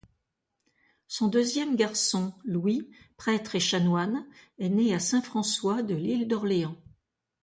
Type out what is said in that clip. Son deuxième garçon, Louis, prêtre et chanoine, est né à Saint-François de l'île d'Orléans.